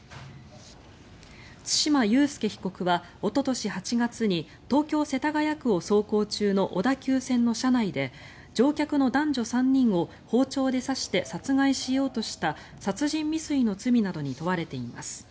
対馬悠介被告はおととし８月に東京・世田谷区を走行中の小田急線の車内で乗客の男女３人を包丁で刺して殺害しようとした殺人未遂の罪などに問われています。